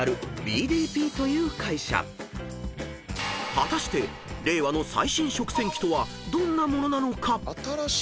［果たして令和の最新食洗機とはどんな物なのか？］